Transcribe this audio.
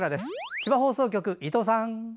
千葉放送局の伊藤さん。